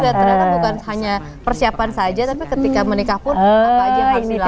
ternyata bukan hanya persiapan saja tapi ketika menikah pun apa aja yang harus dilakukan